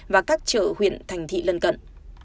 và các chợ huyện thành thị lân cận